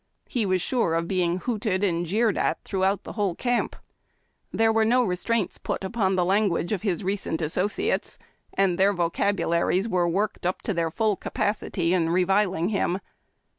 He was sure of being hooted and jeered at throughout the Avhole camp. There were no restraints put uj^on tlie language of his recent associates, and their vocab ularies were worked up to their full capacity in reviling him.